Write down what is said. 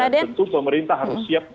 dan tentu pemerintah harus siap